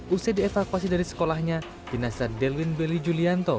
usia dievakuasi dari sekolahnya dinasah delwin beli julianto